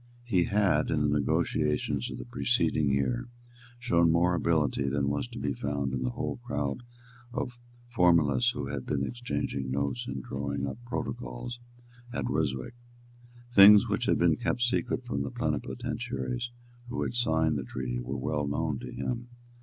He had, in the negotiations of the preceding year, shown more ability than was to be found in the whole crowd of formalists who had been exchanging notes and drawing up protocols at Ryswick. Things which had been kept secret from the plenipotentiaries who had signed the treaty were well known to him.